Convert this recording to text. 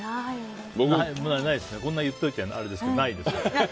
こんな言っといてあれですけどないですね。